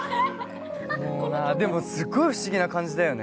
でもすっごい不思議な感じだよね。